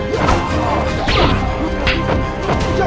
bersiap siap laporan sering